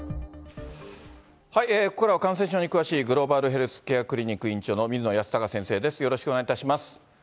ここからは感染症に詳しい、グローバルヘルスケアクリニック院長の水野泰孝先生です、よろしくお願いします。